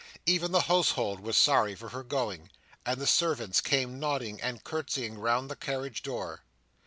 Even the household were sorry for her going, and the servants came nodding and curtseying round the carriage door.